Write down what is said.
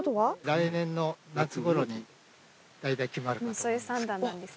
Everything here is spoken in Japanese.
来年の夏ごろに大体決まります。